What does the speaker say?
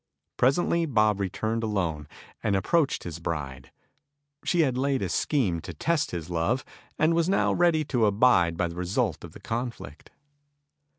Presently Bob returned alone, and approached his bride. She had laid a scheme to test his love, and was now ready to abide by the result of the conflict.